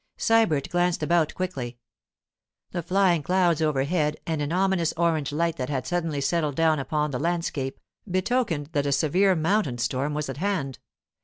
Sybert glanced about quickly. The flying clouds overhead, and an ominous orange light that had suddenly settled down upon the landscape, betokened that a severe mountain storm was at hand.